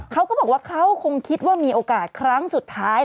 เขาก็บอกว่าเขาคงคิดว่ามีโอกาสครั้งสุดท้าย